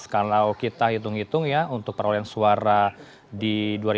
kalau kita hitung hitung ya untuk perolehan suara di dua ribu sembilan belas